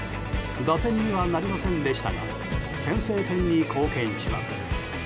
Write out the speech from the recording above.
打点にはなりませんでしたが先制点に貢献します。